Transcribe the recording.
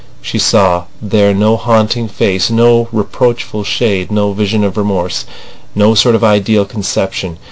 She saw there no haunting face, no reproachful shade, no vision of remorse, no sort of ideal conception.